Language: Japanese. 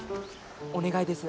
お願いです。